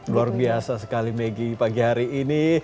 luar biasa sekali maggie pagi hari ini